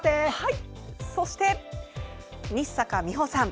そして日坂美穂さん。